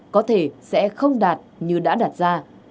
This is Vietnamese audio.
có thể sẽ không đạt như đã đạt ra